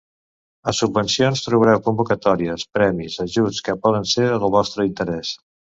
A Subvencions trobareu convocatòries, premis, ajuts... que poden ser del vostre interès.